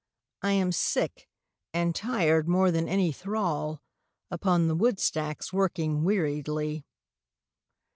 I am sick, and tired more than any thrall Upon the woodstacks working weariedly.